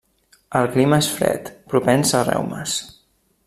El clima és fred, propens a reumes.